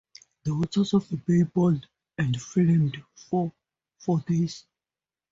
The waters of the bay boiled and flamed for four days.